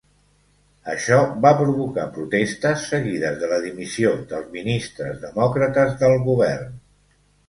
Això va provocar protestes, seguides de la dimissió dels ministres demòcrates del govern.